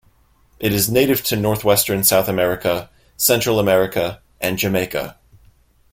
It is native to northwestern South America, Central America, and Jamaica.